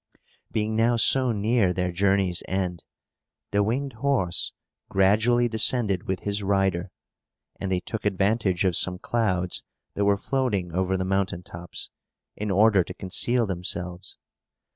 Being now so near their journey's end, the winged horse gradually descended with his rider; and they took advantage of some clouds that were floating over the mountain tops, in order to conceal themselves.